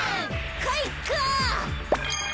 かいか！